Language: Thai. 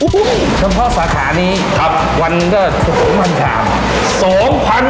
เพราะสาขานี้ทำวันได้๒๐๐๐ชาม